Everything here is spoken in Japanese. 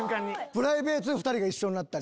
プライベートで２人が一緒になったり？